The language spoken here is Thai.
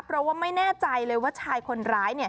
เพราะว่าไม่แน่ใจเลยว่าชายคนร้าย